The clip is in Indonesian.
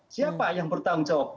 siapa yang bertanggung jawab